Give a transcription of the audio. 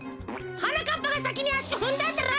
はなかっぱがさきにあしをふんだんだろう！